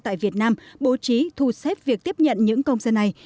tại việt nam bố trí thu xếp việc tiếp nhận những công dân này